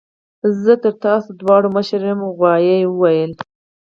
زه تر تاسو دواړو مشر یم غوايي وویل.